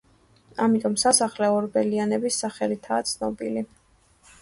ამიტომ სასახლე ორბელიანების სახელითაა ცნობილი.